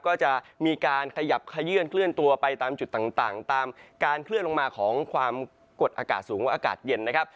ก็จะมีการขยับขยื่นเคลื่อนตัวไปตามจุดต่างตามการเคลื่อนลงมาของความกดอากาศสูงและอากาศเย็นนะครับ